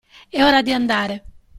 È ora di andare.